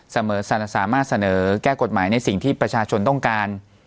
สามารถเสนอแก้กฎหมายในสิ่งที่ประชาชนต้องการ